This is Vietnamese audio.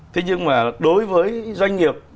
thế nhưng mà đối với doanh nghiệp